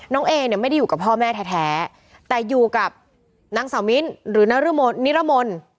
เอเนี่ยไม่ได้อยู่กับพ่อแม่แท้แต่อยู่กับนางสาวมิ้นหรือนิรมนต์